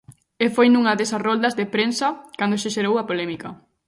E foi nunha desas roldas de prensa cando se xerou a polémica.